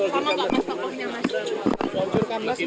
sama nggak mas tokohnya mas